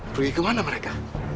pergi kemana mereka